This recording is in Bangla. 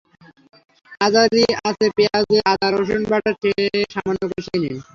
মাঝারি আঁচে পেঁয়াজ, আদা-রসুন বাটা দিয়ে সামান্য কষিয়ে নিন।